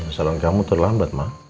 masalah kamu terlambat ma